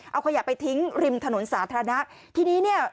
เอาขยะไปทิ้งริมถนนสาธารณะทีนี้เนี่ย